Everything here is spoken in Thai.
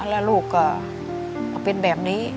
แล้วลูกก็มาเป็นแบบนี้